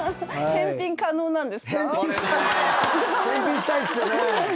返品したいっすよね。